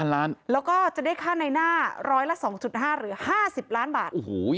แล้วก็จะได้ค่าในหน้าร้อยละ๒๕หรือ๕๐ล้านบาท